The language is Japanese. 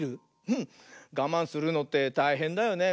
うんがまんするのってたいへんだよね。